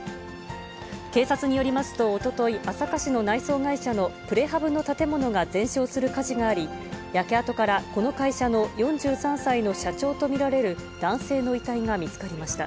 警察によりますと、おととい、朝霞市の内装会社のプレハブの建物が全焼する火事があり、焼け跡からこの会社の４３歳の社長と見られる男性の遺体が見つかりました。